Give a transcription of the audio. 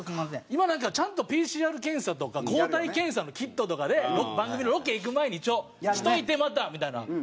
今なんかちゃんとＰＣＲ検査とか抗体検査のキットとかで番組のロケ行く前に一応しといてまたみたいな。